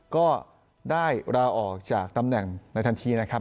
ก็ได้ลาออกจากตำแหน่งในทันทีนะครับ